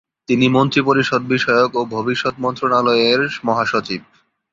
তিনি মন্ত্রিপরিষদ বিষয়ক ও ভবিষ্যত মন্ত্রণালয়ের মহাসচিব।